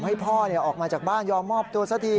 ให้พ่อออกมาจากบ้านยอมมอบตัวสักที